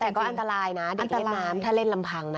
แต่ก็อันตรายนะเด็กเล่นน้ำถ้าเล่นลำพังนะ